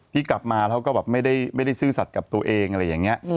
ที่กลับมาแล้วก็แบบไม่ได้ซื่อสัตว์กับตัวเองอะไรอย่างนี้